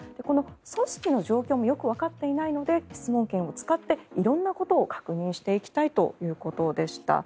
組織の状況もよくわかっていないので質問権を使って色んなことを確認していきたいということでした。